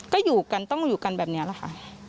ก็อยู่กันต้องอยู่กันแบบนี้แหละค่ะ